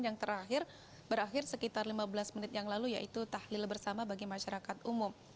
yang terakhir berakhir sekitar lima belas menit yang lalu yaitu tahlil bersama bagi masyarakat umum